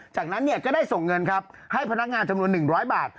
จากนั้นเนี่ยก็ได้ส่งเงินครับให้พนักงานจำนวน๑๐๐บาท